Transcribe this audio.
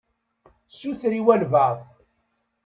Suter i walebɛaḍ.